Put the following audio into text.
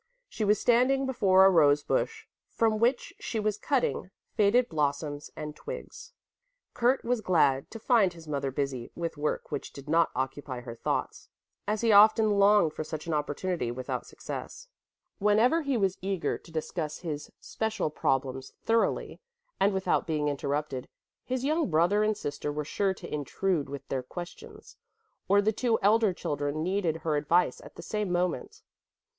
She was standing before a rose bush from which she was cutting faded blossoms and twigs. Kurt was glad to find his mother busy with work which did not occupy her thoughts, as he often longed for such an opportunity without success. Whenever he was eager to discuss his special problems thoroughly and without being interrupted, his young brother and sister were sure to intrude with their questions, or the two elder children needed her advice at the same moment.